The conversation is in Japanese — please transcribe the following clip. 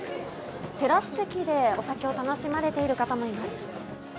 テラス席で、お酒を楽しまれている方もいます。